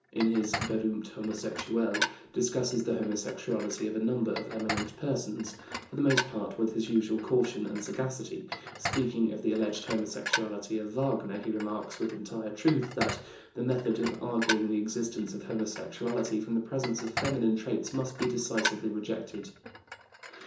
Moll, in his Berühmte Homosexuelle (1910, in the series of Grenzfragen des Nerven und Seelenlebens) discusses the homosexuality of a number of eminent persons, for the most part with his usual caution and sagacity; speaking of the alleged homosexuality of Wagner he remarks, with entire truth, that "the method of arguing the existence of homosexuality from the presence of feminine traits must be decisively rejected."